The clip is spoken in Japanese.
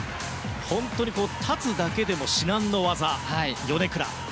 本当に、立つだけでも至難の業、ヨネクラ。